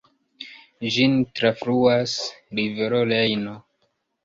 Ĝin trafluas rivero Rejno.